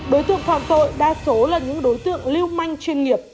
đối tượng phạm tội đa số là những đối tượng lưu manh chuyên nghiệp